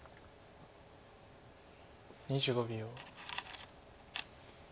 ２５秒。